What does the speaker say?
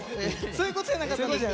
そういうことじゃなかったんですけど。